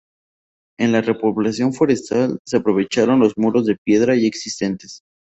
En la repoblación forestal se aprovecharon los muros de piedra ya existentes.